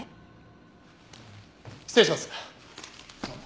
失礼します。